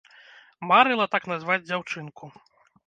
Марыла так назваць дзяўчынку.